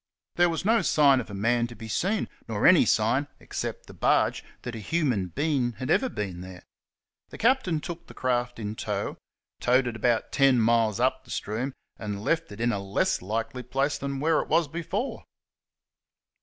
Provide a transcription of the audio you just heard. There was no sign of a man to be seen, nor any sign, except the barge, that a humau being had ever been there. The captain took the craft in tow, towed it about ten miles up the stream, and left it in a less likely place than where it was before.